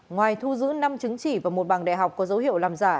ngoài thu giữ năm chứng chỉ và một bằng đại học có dấu hiệu làm giả